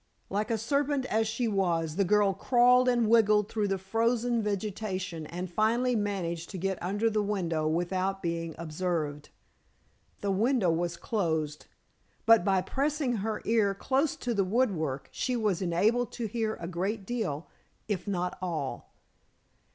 Like a serpent, as she was, the girl crawled and wriggled through the frozen vegetation and finally managed to get under the window without being observed. The window was closed, but by pressing her ear close to the woodwork she was enabled to hear a great deal, if not all.